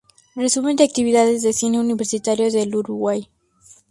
Resumen de actividades de Cine Universitario del Uruguay.